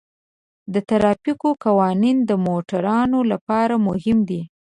د ترافیک قوانین د موټروانو لپاره مهم دي.